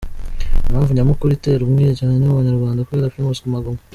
Impamvu nyamukuru itera umwiryane mu banyarwanda kubera Primus Guma Guma .